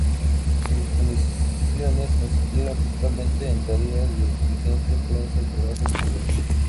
Sus misiones consistieron principalmente en tareas de inteligencia, prensa y trabajos de caridad.